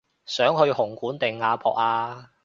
想去紅館定亞博啊